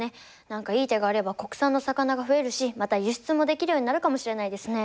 何かいい手があれば国産の魚が増えるしまた輸出もできるようになるかもしれないですね。